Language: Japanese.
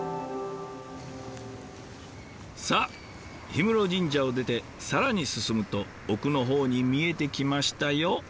さあ氷室神社を出て更に進むと奥の方に見えてきましたよ。